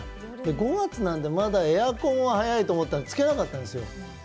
５月なんで、まだエアコンは早いと思って、今日つけなかったんですよ。